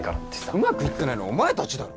うまくいってないのはお前たちだろ。